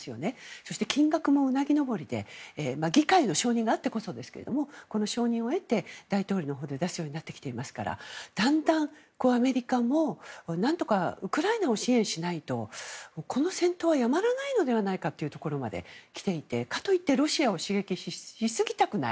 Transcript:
そして金額もうなぎ登りで議会の承認があってこそですけれども承認を得て、大統領のほうに出すようになってきていますからだんだん、アメリカも何とかウクライナを支援しないとこの戦闘はやまないのではないかというところまで来ていてかといってロシアを刺激しすぎたくない。